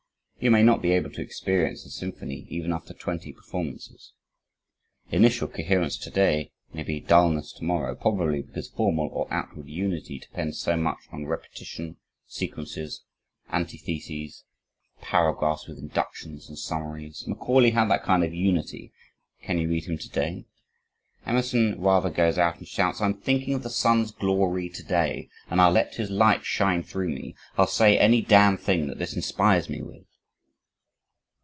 You may not be able to experience a symphony, even after twenty performances. Initial coherence today may be dullness tomorrow probably because formal or outward unity depends so much on repetition, sequences, antitheses, paragraphs with inductions and summaries. Macaulay had that kind of unity. Can you read him today? Emerson rather goes out and shouts: "I'm thinking of the sun's glory today and I'll let his light shine through me. I'll say any damn thing that this inspires me with."